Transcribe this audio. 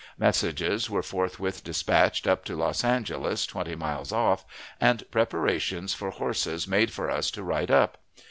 Messages were forthwith dispatched up to Los Angeles, twenty miles off, and preparations for horses made for us to ride up.